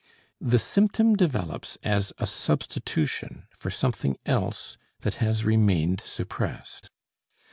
The symptom develops as a substitution for something else that has remained suppressed.